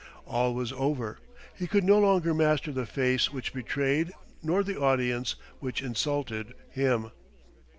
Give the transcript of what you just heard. All was over. He could no longer master the face which betrayed nor the audience which insulted him.